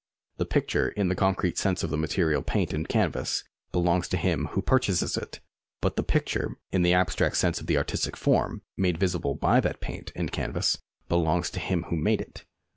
The picture, in the concrete sense of the material paint and canvas, be longs to him who purchases it ; but the picture, in the abstract sense of the artistic form made visible by that paint and canvas, belongs to him who made it.